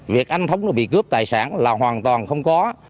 việc anh thống bị cướp tài sản là hoàn toàn không có